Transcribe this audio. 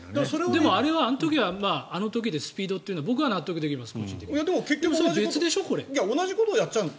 でも、あの時はあの時でスピードというのは納得できます。